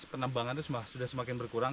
penambangan itu sudah semakin berkurang